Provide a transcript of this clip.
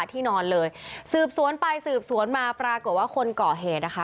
ที่นอนเลยสืบสวนไปสืบสวนมาปรากฏว่าคนก่อเหตุนะคะ